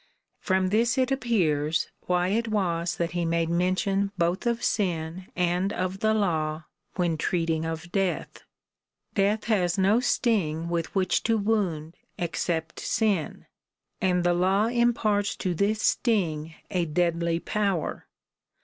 From this it appears, why it it was that he made mention both of sin and of the law, when treating of death. Death has no sting with which to wound except sin, and the law imparts to this sting a deadly power.